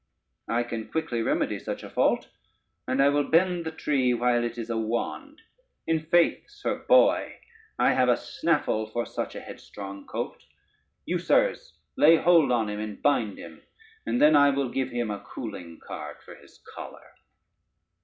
I can quickly remedy such a fault, and I will bend the tree while it is a wand. In faith, sir boy, I have a snaffle for such a headstrong colt. You, sirs, lay hold on him and bind him, and then I will give him a cooling card for his choler."